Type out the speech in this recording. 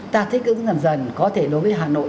ta thích ứng dần dần có thể đối với hà nội